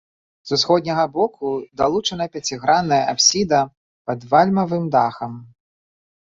З усходняга боку далучана пяцігранная апсіда пад вальмавым дахам.